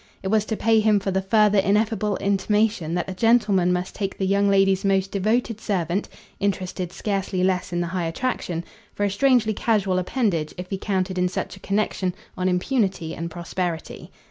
It was to pay him for the further ineffable intimation that a gentleman must take the young lady's most devoted servant (interested scarcely less in the high attraction) for a strangely casual appendage if he counted in such a connexion on impunity and prosperity.